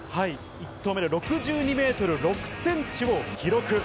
１投目で６２ｍ６ｃｍを記録。